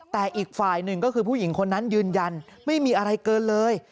แต่อีกฝ่ายหนึ่งก็คือผู้หญิงคนนั้นยืนยันไม่มีอะไรเกินเลย